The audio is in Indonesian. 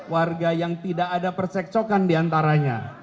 warga yang tidak ada percekcokan diantaranya